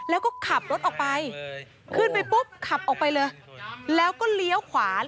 แล้วก็ขับรถออกไปขึ้นไปปุ๊บขับออกไปเลยแล้วก็เลี้ยวขวา